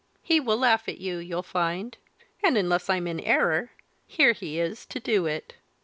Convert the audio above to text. "He will laugh at you, you'll find; and, unless I'm in error, here he is to do it."